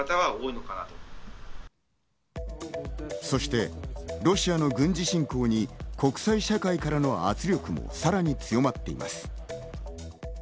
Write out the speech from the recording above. そしてロシアの軍事侵攻に国際社会からの圧力もさらに強まっています。